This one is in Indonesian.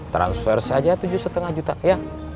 transfer saja tujuh lima juta ya